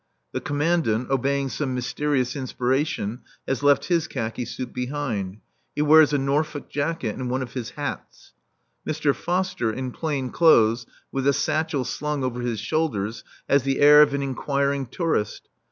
The Commandant, obeying some mysterious inspiration, has left his khaki suit behind. He wears a Norfolk jacket and one of his hats. Mr. Foster in plain clothes, with a satchel slung over his shoulders, has the air of an inquiring tourist.